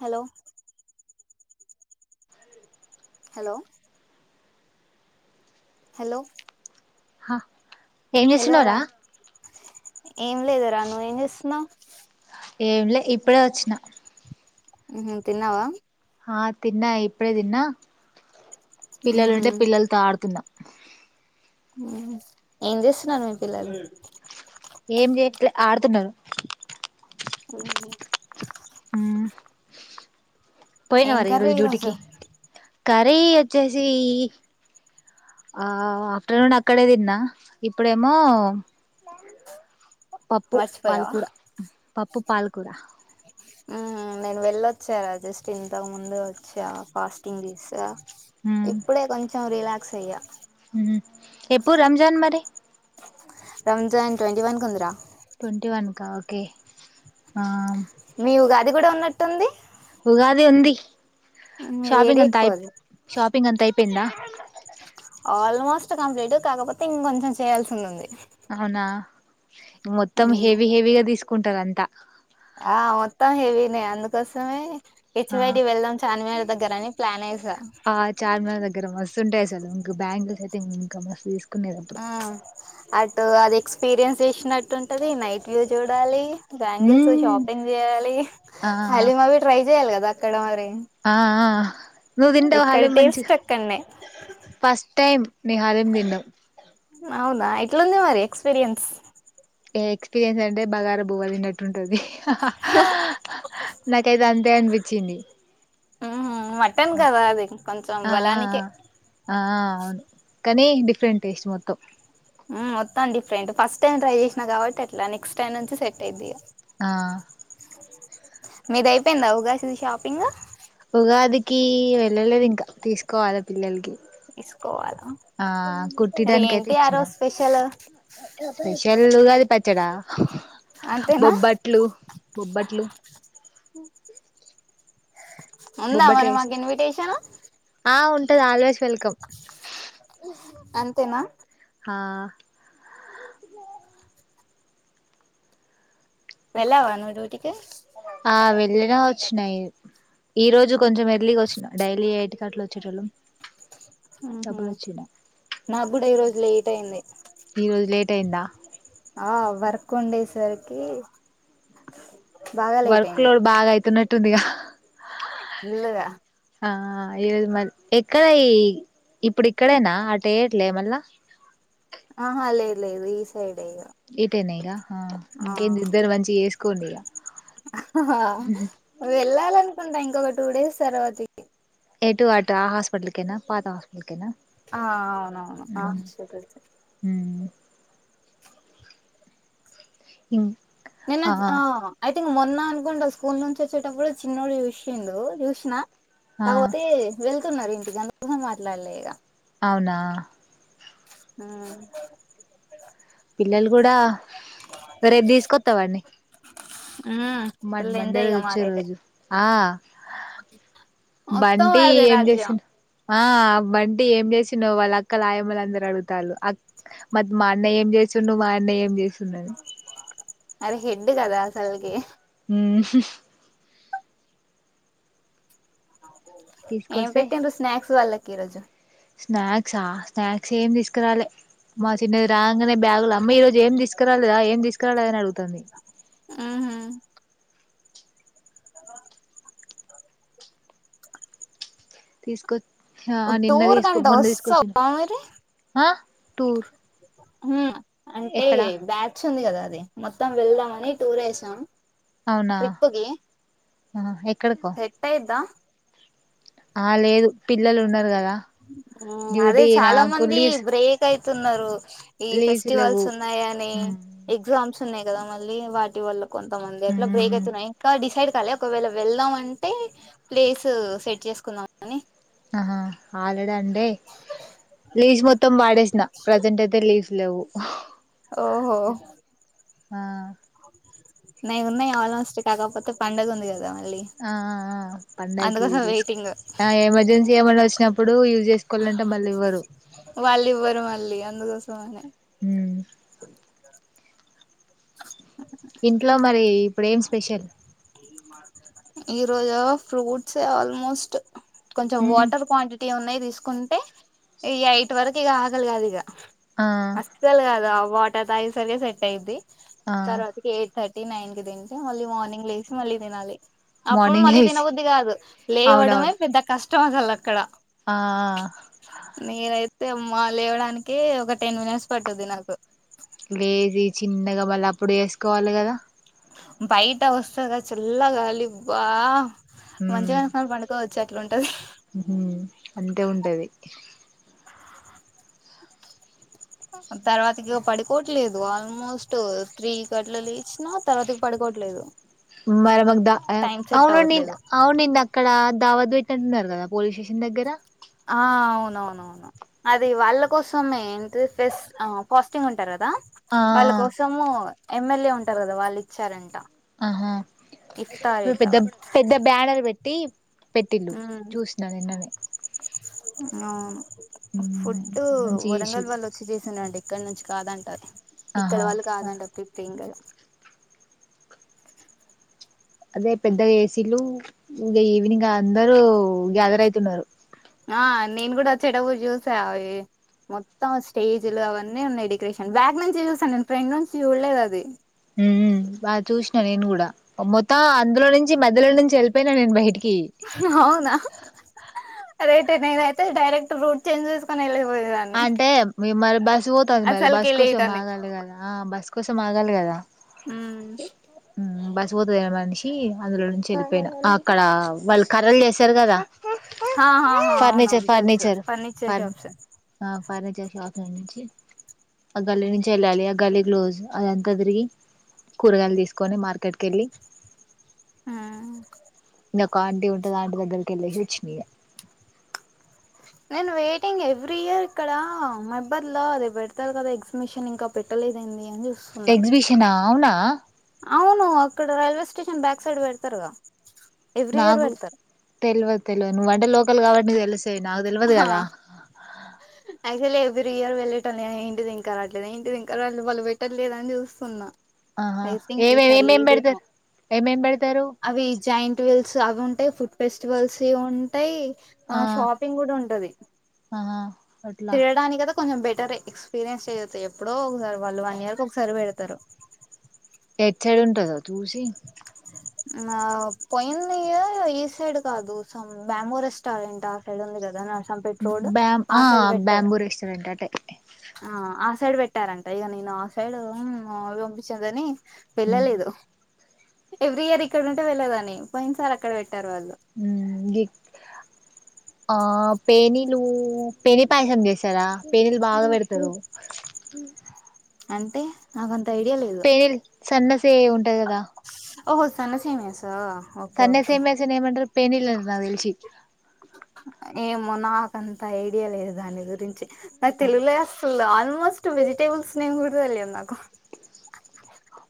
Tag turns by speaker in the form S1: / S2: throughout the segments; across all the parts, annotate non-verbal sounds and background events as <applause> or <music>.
S1: Hello hello hello
S2: హ ఏం జేసునవ్ రా
S1: ఏం లేదరా నువ్వు ఏం చేస్తున్నావ్
S2: ఏంలే ఇప్పుడే అచ్చిన
S1: ఉహు తిన్నావా
S2: ఆ తిన్నా ఇప్పుడే దిన్నా
S1: ఉహు
S2: పిల్లలుంటే పిల్లలతో ఆడుతున్న.
S1: ఏం జేస్ తున్నరు మీ పిల్లలు
S2: ఏం జెట్లే ఆడుతున్నారు
S1: ఉ
S2: పోయిన
S1: ఏం
S2: వర ఈ
S1: కర్రీ
S2: రోజు
S1: ఈరోజు
S2: డ్యూటీకి కర్రీ ఒచ్చేసి ఆ ఆఫ్టర్నూన్ అక్కడే తిన్నా ఇప్పుడేమో పప్పు
S1: మర్చిపోయావా
S2: పాల్కూర పప్పు పాల్కూర.
S1: ఊమ్ నేను వెళ్ళొచ్చా జస్ట్ ఇంతకు ముందు వచ్చా ఫాస్టింగ్ దీసా ఇప్పుడే కొంచెం రిలా క్స్కి ఇగ
S2: ఊ ఎప్పుడు రంజాన్ మరి
S1: రంజాన్ ట్వంటీ వన్ కుందిరా
S2: ట్వంటీ వన్కా ఓకే ఆ
S1: మీ ఉగాది గూడా ఉన్నట్టుంది
S2: ఉగాది ఉంది
S1: ఊ ఏడేట్కొ అది
S2: పింగ్ అంతయిపోయిందా
S1: ఆల్మోస్ట్ కంప్లీట్ కాకపోతే ఇంకొంచెం చేయాల్సింది ఉంది
S2: అవునా - <unintelligible> మొత్తం హెవీ హెవీగా దీస్ కుంటదంతా
S1: ఆ మొత్తం హెవీనే అందుకోసమే
S2: ఆ
S1: హెచ్వైడి వెళ్దాం చార్మినార్ దగ్గర అని ప్లాన్ వేసా
S2: ఆ చార్మినార్ దగ్గర మస్తుంటాయి చలు ఇంకా బ్యాంగూ ఇంకాఫస్
S1: ఆ అట్టు అది ఎక్స్ ఎక్స్పీరియన్స్ చేసినట్టు ఉంటుంది నైట్ వ్యూ చూడాలి బ్యాంగిల్స్
S2: మ్మ్
S1: షాపింగ్ చేయాలి
S2: ఆ
S1: హలీమాబీ ట్రై చెయ్యాలి కదా అక్కడ మరి
S2: ఆ నువ్వు తింటవు
S1: ఇక్కడ
S2: హలీమ్ మంచి
S1: టేస్ట్ అక్కడనే
S2: ఫస్ట్ టైం నీ హలీమ్ తిన్నావు
S1: అవుదా ఇట్లందే మరి ఎక్స్పీరియన్స్
S2: ఎక్స్పీరియన్స్ అంటే బగార భూవదంటట్టు నాకైతే అంతే అం చిని
S1: ఆహా మటన్ కదా అది కొంచెం
S2: ఆ
S1: బలానికే
S2: ఆ ఆ అవును కానీ డిఫరెంట్ టేస్ట్ మొత్తం
S1: మొత్తండిఫరెంట్ ఫస్ట్ టైం ట్రై చేసినా కాట్ ఎట్లా నెక్స్ట్ టైం నుంచి సెట్ అయిది
S2: ఆ
S1: మీద అయిపోయింది అవగాశది షాపింగ్
S2: క వెళ్ళలేదు ఇంకా తీసుకోవాలి పిల్లలకి
S1: తీసుకోవాలా
S2: ఆ
S1: మరి
S2: కుట్టటిడానికి అయితే
S1: ఏంటి ఆ
S2: ఇచ్చినా
S1: రోజు స్పెషల్
S2: స్పెషల్గాది పచ్చడా
S1: అంతేనా
S2: బొబ్బట్లు బొబ్బట్లు
S1: <inaudible> ఉందా
S2: బొబ్బట్లు
S1: మరి మాకు
S2: చేసిరు
S1: ఇన్విటేషన్
S2: ఆ ఉంటుది ఆలోచ వెల్కమ్
S1: అంతేనా వెళ్లావను డ్యూటీికి
S2: ఆ వెళ్ళిన వచ్చినాయి ఈ రోజు కొంచెం ఎర్లీగా వచ్చినాం డైలీ ఎయిట్ కి అట్లా వచ్చేట వాళ్ళు
S1: ఆహ నాకు కూడా ఈరోోజు లేట్ అయింది
S2: టేన్నా
S1: ఆ వర్క్ ఉండేసరికి బాగా లేట్
S2: వర్క్
S1: అయింది
S2: లోడ్ బాగాయితు న టుదిగా
S1: <unintelligible>
S2: ఆ ఈరోజు మరి ఎక్కడ ఈ ఇప్పుడు ఇక్కడేనా <unintelligible> మల్ల
S1: ఆహ లేే లేదు ఈ సైడ్
S2: <unintelligible> నయి ఆ ఇంకే ఇద్దరు మంచి చేసుకోండి ఇగా
S1: వెళ్ళాల కుంటాయి ఇంకొక టూ డేస్ తర్వాతకి
S2: ఎటు అటు ఆ హాస్పిటల్కనా పాత హాస్పిటల్కేనా
S1: ఆ అవునవును ఆ సరే అయితే
S2: ఇం ఇం
S1: నిన్న ఆ మొన్న అనుకుంటా స్కూల్ నుంచి వచ్చేటప్పుడు చిన్నడు చూసిండు చూసిన
S2: ఆ
S1: <unintelligible> వెల్ న్నారు ఇంటిక మాట్లాడలేక
S2: అవునా
S1: ఆ
S2: పిల్లలు కూడా రేపు తీసుకొస్తావాడిని మ
S1: ఫుల్
S2: మండే
S1: ఎంజాయ్ ఇగ
S2: రోజు వచ్చే
S1: మాకైతే
S2: రోజు ఆ
S1: మొత్తం
S2: బంటి
S1: వాడిదే
S2: ఏం
S1: రాజ్యం
S2: చేసిన ఆ బంటి ఏం చేసిన్నావు వాళ్ళు అక్కలా ఆయమ్మల అందరు అడుతారు మత్ మా అన్నయ ఏం చేసిండ్ మా అన్నయ ఏం చేసివు <unintelligible>
S1: <unintelligible> కదా అసలకి
S2: మ్మ్
S1: ఏం
S2: తీసుకొస్తే
S1: పెట్టింరు స్నాక్స్ వాళ్ళ కే రజు
S2: స్నాక్సా స్నాక్స్ ఏమి తీసుకురాలే మా చిన్నది రా నే బ్యాగులు అమ్మ ఈరోజ ఏం తీసుకురాలేదా ఏం తీసు <unintelligible>
S1: <unintelligible> అద
S2: తీసుకొచ్
S1: టూర్ కంట వస్తావా మరి
S2: ఆ టూర్
S1: మ్మ్ అంటే
S2: ఎక్కడా
S1: బ్యాచ్ ఉంది కదా అది మొత్తం వెళ్దాం అని టూరేసాం ట్రిప్పు గి
S2: ఆ ఎక్
S1: సెట్ అయిద్దా
S2: ఆ లేదు పిల్లలు ఉన్నారు కదా
S1: ఉమ్
S2: డ్యూటీ నాకులీజ్
S1: తున్నరు ఈ ఫెస్టివల్స్ ఉన్నాయని
S2: ఉమ్,
S1: ఎగ్జామ్స్ ఉన్నాయి కదా మళ్ళీ వాటి వల్ల కొంతమంది ఎట్లా బ్రేక్
S2: ఉమ్,
S1: అయితున్నాయి ఇంకా డిసైడ్ కలే ఒకవేళ వెళ్దాం అంటే ప్లేస్ సెట్ చేసుకుందాం అని
S2: ఆహా ఆల్రెడ అండి లీవ్స్ మొత్తం వాడేసిన ప్రజెంట్ అయితే లీవ్ లెవ్వు <inaudible>
S1: ఓహో
S2: ఆ
S1: నాయి ఉన్నాయి ఆల్మోస్ట్ కాకపోతే పండగ ఉంది కదా మళ్ళీ
S2: ఆ పండగకి
S1: అందుకోసం
S2: యూజ్ చేసుకు
S1: వెయిటింగ్
S2: ఎమర్జెన్సీ ఏమైన్నా వచ్చినప్పుడు యూజ్ చేసుకోవాలంటే మళ్ళీ ఇవ్వరు
S1: సానే
S2: మ్మ్ ఇంట్లో మరి పుడేం స్పెషల్
S1: ఈ రోజు ఆర్ ఫ్రూట్సే ఆల్మోస్ట్ కొంచెం
S2: ఉమ్,
S1: వాటర్ క్వాంటిటీ ఉన్నాయి తీస్ కుంటే ఈ ఎయిట్ వరకు ఇక ఆకలి కాదు ఇగ
S2: ఆ
S1: అస్సలు కాదా వాటర్ తాగే సరికి సెట్ అయిద్ది
S2: ఆ
S1: తర్వాతకి ఏట్ థర్టీ నైన్ కి తింట మళ్ళీ మార్నింగ్ లేస్ మళ్ళీ తినాలి అప్పుడు
S2: మార్నింగ్
S1: మళ్ళీ
S2: లేసి
S1: తినబద్ది కాదు
S2: అవునవును
S1: లేవడమే పెద్ద కష్ స్టాసాల అక్కడ
S2: ఆ ఆ
S1: తే మ్మా లేవడానికి ఒక టెన్ మినిట్స్ పట్టుద్ది నాకు
S2: బేబీ చిన్నగా మళ్ళీ అప్పుడు వేసుకోవాలి కదా
S1: బయట వస్సదా చల్ల గాలి బా మంచం ఎసుకొని పంనుకోవచ్. గట్లు ఉంటది.
S2: హు, అంతే ఉంటది.
S1: తర్వాతికి పడుకోట్లేదు ఆల్మోస్ట్ త్రీ గట్ల లేచినా తర్వాతికి పడుకోవట్లేదు.
S2: మరమగ్ ద ఆవ్
S1: టైం సెట్
S2: ఔనండి,
S1: అవ్వట్లేదు
S2: అవునింద అక్కడ దావద్ పెట్ అన్నారు కదా పోలీస్ సేషన్ దగ్గర
S1: ఆ అవునవునవును అది వాళ్ళ కోసమే ఏంటిది, ఫెస్ ఆ ఫాస్టింగ్ ఉంటారు కదా.
S2: ఆ
S1: వాళ్ళ కోసము ఎమ్మెల్యే ఉంటారు కదా వాళ్ళు ఇచ్చారంట.
S2: ఆహా
S1: ఇఫ్తార్
S2: పెద్ద
S1: దావత్
S2: పెద్ద బ్యానర్ పె ట్టి పెట్టిల్లు చూస్నా నిన్ననే
S1: నౌను ఫుడ్డు
S2: మంచిగా
S1: వరంగల్
S2: చేసిళ్ళు
S1: వాళ్ళ వచ్చి చేసినండి. ఇక్కన్నుంచి కాదంట ఇక్కడ
S2: ఆహా
S1: వాళ్ళు కాదంట తిప్ ఇంగల
S2: అదే పెద్ద ఏసీలు ఇంగ ఈవినింగ్ అందరు గ్యాదర్ అయితున్నారు.
S1: ఆ నేను కూడా చెడవు చూసా అవి, మొత్తం స్టేజులు అవన్నీ ఉన్నాయి డెకరేషన్ బ్యాక్ నుంచి చూసాను నేను ఫ్రెండ్ నుంచి చూడల్లేదు అది.
S2: హుం హుం బా చూస్న నేను కూడా మొత్తం అందులో నుంచి మధ్యలో నుంచి ఎళ్ళిపోయిన నేను బయటి
S1: అవునా అదే తే నేనైతే డైరెక్ట్ రూట్ చేంజ్ చేసుకుని ఎళ్లిపో
S2: అంటే మీ మర్ చూతాది మరి
S1: అసలుకి
S2: బస్
S1: లేట్
S2: కోసం
S1: అని
S2: ఆగాలి కదా, బస్ కోసం ఆగాలి కదా.
S1: హ్మ్
S2: బస్స్ పోతాదిగ మన్షి అందులో నుంచి ఎళ్ళిపెయిన ఆక్కడ వాళ్ళు కర్రలు చేశారు కదా.
S1: హా హా హా
S2: ఫర్నిచర్
S1: ఔనుఔను తెల్సు
S2: ఫర్నిచర్
S1: ఫర్నిచర్
S2: ఫర్
S1: షాప్స్
S2: ఆ ఫర్నీచర్ షాప్ నుంచి ఆ గల్లీ నుంచి ఎళ్ళాలి, ఆ గల్లీ క్లోజ్ అదంతా తిరిగి కూరగాయలు తీసుకొని మార్కెట్ కెళ్ళి
S1: ఉ
S2: ఒక ఆంటి ఉంటంది, అ ఆంటి దగ్గరికి ఎళ్ళెసి వచ్చినయ
S1: నేను వెయిటింగ్ ఎవ్రీ ఇయర్ ఇక్కడ మైర్బర్లో అది పెడతారు కదా, ఎగ్జిమిషన్ ఇంకా పెట్టలేద్ ఏంది అని చూ
S2: ఎగ్జిబిషనా ఔనా
S1: అవును అక్కడ రైల్వేస్టేషన్ బ్యాక్ సైడ్ పెడతారుగా ఎవ్రీ ఇయర్
S2: నాకు,
S1: పెడతారు
S2: తెల్వదు తెల్వదు నువ్వంటే లోకల్ కావా మీ తెలుస్ తే నా తెల్వదు కదా.
S1: ఇయాల వెళ్ళటం ఏంటిది ఇంకా రాట్లేదు ఏంటి ఇంకా రాట్లేదు వాళ్ళు పెట్టట్లేదని చూస్తున్నా.
S2: ఆహా
S1: ఐ థింక్
S2: ఏమేమి
S1: ఈసారి
S2: ఏమేమి
S1: లేదేమో
S2: పెడతారు ఏమేమి పెడతారు
S1: అవి జాయింట్ వెల్స్ అవి ఉంటాయి. ఫెస్టివల్స్ ఉంటాయి ఆ షాప్ ఉంటది
S2: ఆహా అట్లా
S1: తిరగడానికి కదా కొంచెం బెటర్ ఎక్స్పీరియన్స్ చేయతాయి ఎప్పుడో ఒకసారి వాళ్ళు వన్ ఇయర్ కు ఒకసారి పెడతారు.
S2: ఎడ్ సైడ్ ఉంటదో చూసి
S1: ఆ పోయింది ఇయర్ ఈ సైడ్ కాదు సమ్ బ్యాబో రెస్టారెంట్ ఆ సైడ్ ఉందికదా న సామ్ పె రాడ్డు
S2: బ్యాం
S1: ఆస్
S2: ఆ బాంబూ రెస్టోారెంట్ అటే
S1: ఆ ఆ సైడ్ పెట్టారంట ఇగ నను ఆ సైడ్ ఒంపి చందని
S2: ఉమ్
S1: వేళ్లలేదు ఎవ్రీ ఇయర్ ఇక్కడ ఉంటే వెళ్లేదాని పోయిన సార్ అక్కడ పెట్
S2: ఉ ఆ పేనీలు పెేనిపాయసం చేసారా పేనీలు బాగా పెడతారు.
S1: అంటే నాకు ఐడియా లేదు
S2: పేనిల్ సన్న సే్ ఉంటుంది కదా
S1: ఓో స్స్తనా సేమ్యా స్
S2: సన్నె సే మ్యాసిన న ఏమంటరూ పెనిలం నాకు తెలిసి
S1: అంత ఐడియా లేదు దాని గురించి నా తెలుగులో అసలు ఆ ఆల్మోస్ట్ వెజిటేబల్స్ నేమ్ కూడా తెలియదు నాకు.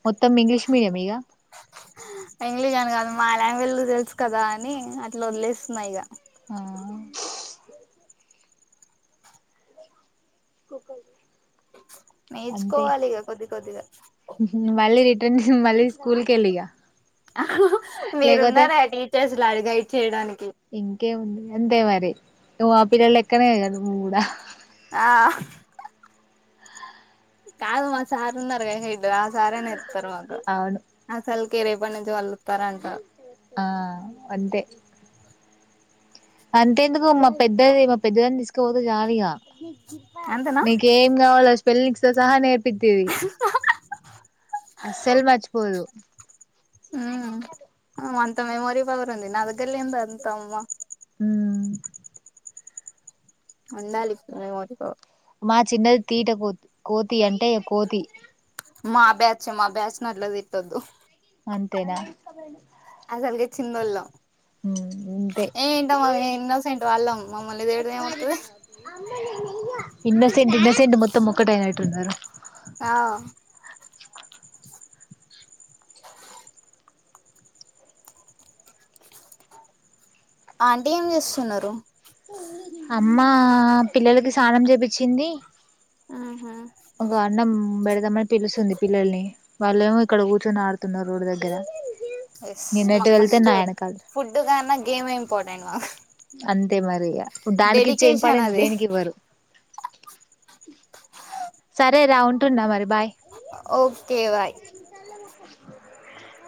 S2: మొత్తం ఇంగ్లీష్ మీడియం ఇక
S1: ఇంగ్లీష్ అని కాదు మా లాంగ్వేజ్ లో తెలుసు కదా అని అట్లా వదిలేస్తున్నా ఇక
S2: ఆ గగ
S1: నేర్చుకోవాలి ఇక కొద్ది కొద్దిగా
S2: మళ్ళీ మళ్ళీ స్కూల్కిలిగా
S1: మీరు ఉన్నారా టీచర్స్ లాగా గైడ్ చేయడానికి.
S2: మా పిల్లలు లేక్కనే నువ్వు కూడా
S1: ఆ కాదు మా సర్ ఉన్నారు గా హెడ్ ఆ సారే నేర్ తర్వాత
S2: అవును
S1: అసల కే రేపటి నుంచి వాళ్ళు పరంగ
S2: ఆ అంతే అంతే ఎందుకు మా పెద్దది మా పెద్దదని తీసుకోపోతే జాలీగా
S1: అంతేనా
S2: నీకేం కావాలస స్పెల్లింగ్స్ తో సహా న చెప్ప అస్సలు మర్చిపోదు అట్ట కాదు
S1: తా మెమోరీ పవర్ ఉంది నా దగ్గర లేద్ అంత అమ్మా
S2: హమ్
S1: ఉండాలి మెమొరీ పవర్
S2: మా చిన్నది తీట కూ కోతి అంటే ఇగ కోతి
S1: మా బ్యాచ్ మా బ్యాచ్ నీ అట్ల తిట్టొద్దు
S2: అంతేన
S1: అసల్కే చిన్నోలం
S2: మ్మ్
S1: ఏంటమ్మా మేం ఇన్నోసెంట్ వాళ్ళం మమ్మల్ని తిడితే ఏమొత్తది
S2: ఇన్నోసెట్ ఇన్నోసెంట్ మోత్ ఒకటైనట్టు ఉన్నరు
S1: ఆ ఆంటీ ఏం చేస్తున్నరు
S2: మా పిల్లలకి సానం చేపించింది
S1: ఊహూ
S2: ఒక అన్నం పెడదామని పిలుస్తుంది పిల్లల్ని వాళ్ళేమో ఇక్కడ కూర్చొని ఆడుతున్నారు రోడ్డు దగ్గర
S1: ఎస్
S2: నేనెటు
S1: మాకు
S2: వెళ్తే
S1: ఫస్ట్
S2: నా వెనకాల
S1: ఫుడ్ కన్నా గేమ్ ఇంపార్టెంట్ మాకు
S2: అంతే మరి ఇగ దానికి ఇచ్చే
S1: డెడికేషన్
S2: ఇంపార్టెన్స్
S1: అది
S2: దేనికి ఇవ్వరు సరే రా ఉంటున్న మరి బాయ్
S1: ఒకే బాయ్